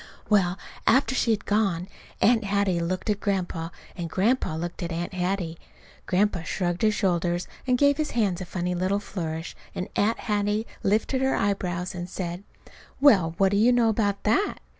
Well, after she had gone Aunt Hattie looked at Grandpa and Grandpa looked at Aunt Hattie. Grandpa shrugged his shoulders, and gave his hands a funny little flourish; and Aunt Hattie lifted her eyebrows and said: "Well, what do you know about that?"